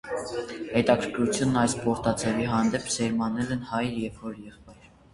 Հետաքրքրություն այս սպորտաձևի հանդեպ սերմանել են հայրը և հորեղբայրը։